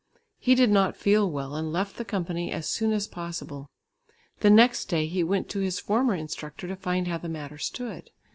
He did not feel well and left the company as soon as possible. The next day he went to his former instructor to find how the matter stood.